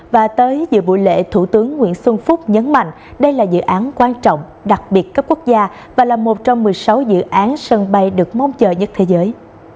và tới giữa buổi lễ thủ tướng nguyễn xuân phúc nhấn mạnh đây là dự án quan trọng đặc biệt cấp quốc gia và là một trong một mươi sáu dự án sân bay được mong chờ nhất thế giới